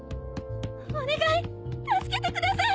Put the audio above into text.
お願い助けてください！